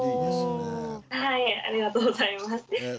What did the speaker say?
ありがとうございます。